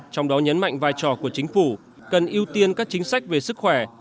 trong đó nhấn mạnh vai trò của chính phủ cần ưu tiên các chính sách về sức khỏe